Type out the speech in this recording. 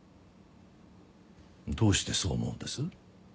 どうしてそう思うんです？